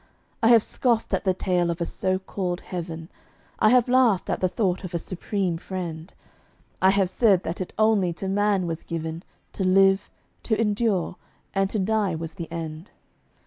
I have scoffed at the tale of a so called heaven; I have laughed at the thought of a Supreme Friend; I have said that it only to man was given To live, to endure; and to die was the end.